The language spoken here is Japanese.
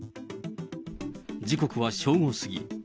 時刻は正午過ぎ。